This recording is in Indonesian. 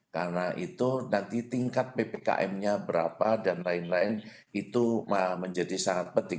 karena itu nanti tingkat ppkm nya berapa dan lain lain itu menjadi sangat penting